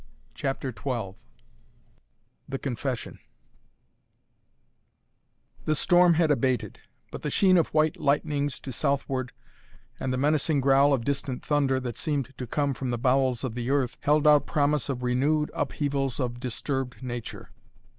CHAPTER XII THE CONFESSION The storm had abated, but the sheen of white lightnings to southward and the menacing growl of distant thunder that seemed to come from the bowels of the earth held out promise of renewed upheavals of disturbed nature.